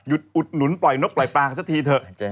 อุดหนุนปล่อยนกปล่อยปลากันสักทีเถอะ